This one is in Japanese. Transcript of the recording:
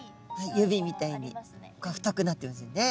指みたいに太くなってますよね。